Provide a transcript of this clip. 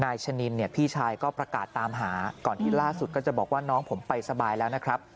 ชะนินเนี่ยพี่ชายก็ประกาศตามหาก่อนที่ล่าสุดก็จะบอกว่าน้องผมไปสบายแล้วนะครับ